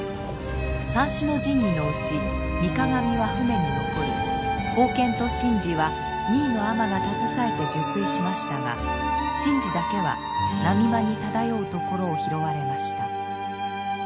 三種の神器のうち御鏡は船に残り宝剣と神璽は二位の尼が携えて入水しましたが神璽だけは波間に漂うところを拾われました。